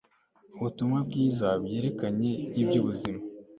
Ubutumwa bwiza bwerekeranye nibyubuzima